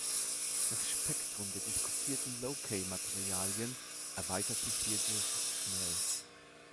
Das Spektrum der diskutierten Low-k-Materialien erweitert sich hierdurch schnell.